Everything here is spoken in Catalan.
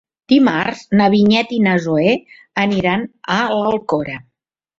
Dimarts na Vinyet i na Zoè aniran a l'Alcora.